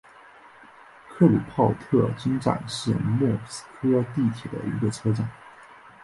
克鲁泡特金站是莫斯科地铁的一个车站。